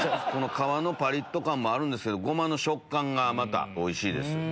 皮のパリっと感もあるんですけどゴマの食感がまたおいしい。